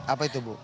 apa itu bu